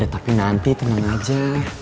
tapi nanti tenang aja